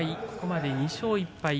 ここまで２勝１敗。